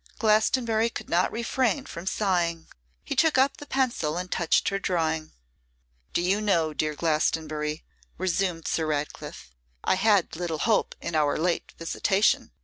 Glastonbury could not refrain from sighing. He took up the pencil and touched her drawing. 'Do you know, dear Glastonbury,' resumed Sir Ratcliffe, 'I had little hope in our late visitation.